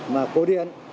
mà cố điện